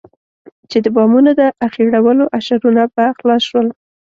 چې د بامونو د اخېړولو اشرونه به خلاص شول.